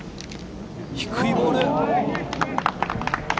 低いボール。